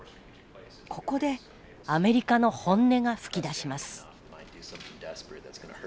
ここでアメリカの本音が噴き出します。